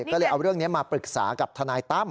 ก็เลยเอาเรื่องนี้มาปรึกษากับทนายตั้ม